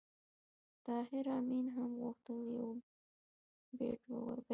طاهر آمین هم غوښتل یو بیت ووایي